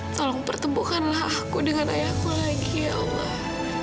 tolong pertemukanlah aku dengan ayah aku lagi ya allah